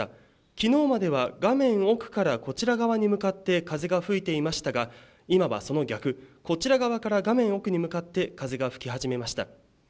きのうまでは画面奥からこちら側に向かって風が吹いていましたが、今はその逆、こちら側から画面奥に向かって風が吹き始めました。